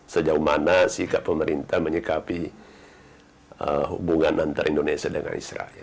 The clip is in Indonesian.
sejauh mana sikap pemerintah menyikapi hubungan antara indonesia dengan israel